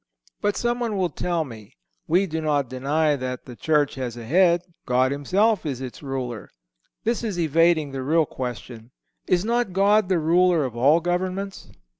But someone will tell me: "We do not deny that the Church has a head. God himself is its Ruler." This is evading the real question. Is not God the Ruler of all governments?